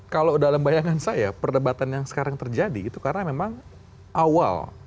kalau dalam bayangan saya perdebatan yang sekarang terjadi itu karena memang awal